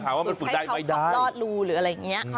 ถามว่ามันฝึกได้ไหมได้ต้องใช้ความรอดรู้หรืออะไรอย่างเงี้ย